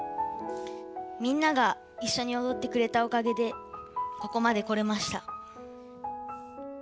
みんながいっしょにおどってくれたおかげでここまでこれました。